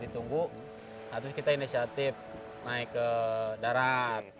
ditunggu terus kita inisiatif naik ke darat